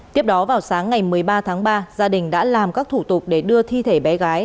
tiếp đó vào sáng ngày một mươi ba tháng ba gia đình đã làm các thủ tục để đưa thi thể bé gái